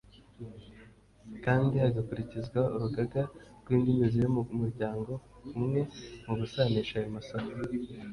kandsi hagakurikizwa urugaga rw’indimi ziri mu muryango umwe mu gusanisha ayo masaku.